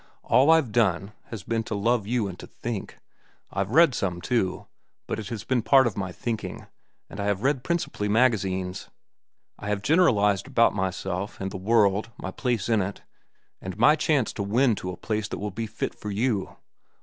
All I've done has been to love you and to think. I've read some, too, but it has been part of my thinking, and I have read principally magazines. I have generalized about myself, and the world, my place in it, and my chance to win to a place that will be fit for you.